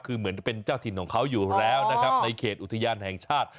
คือเหมือนจะเป็นเจ้าถิ่นของเขาอยู่แล้วในเขตอุทธิญาณแห่งชาติ